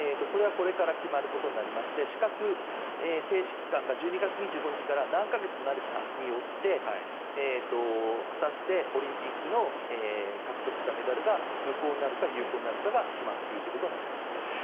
これはこれから決まることになりまして資格停止期間が１２月２５日から何か月になるかによって果たしてオリンピックで獲得したメダルが無効になるか有効になるかが決まってくるということになります。